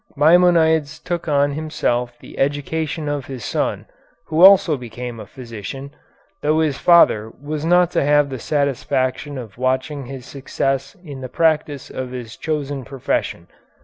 Maimonides took on himself the education of his son, who also became a physician, though his father was not to have the satisfaction of watching his success in the practice of his chosen profession.